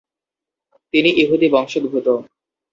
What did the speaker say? তিনি ইহুদি বংশোদ্ভূত।